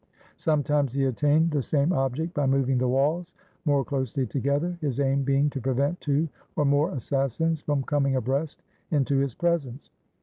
Sometimes he attained the same object by moving the walls more closely together, his aim being to prevent two or more assassins from coming abreast into his presence.